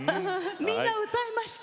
みんな歌えました。